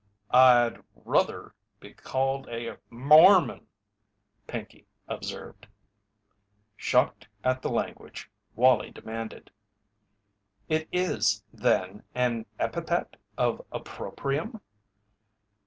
"I'd ruther be called a er a Mormon," Pinkey observed. Shocked at the language, Wallie demanded: "It is, then, an epithet of opprobrium?"